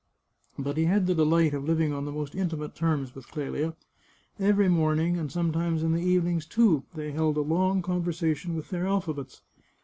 But he had the delight of liv ing on the most intimate terms with Clelia. Every morning, and sometimes in the evenings, too, they held a long con versation with their alphabets.